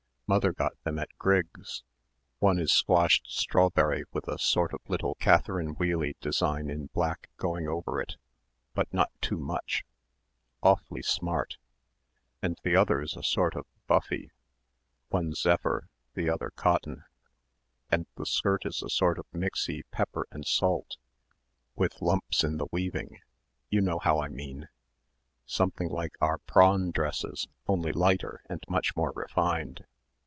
Mother got them at Grigg's one is squashed strawberry with a sort of little catherine wheely design in black going over it but not too much, awfully smart; and the other is a sort of buffy; one zephyr, the other cotton, and the skirt is a sort of mixey pepper and salt with lumps in the weaving you know how I mean, something like our prawn dresses only lighter and much more refined.